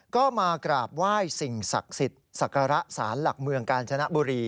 ก็มากราบไหว้สิ่งศักดิ์สิทธิ์ศักระสารหลักเมืองกาญจนบุรี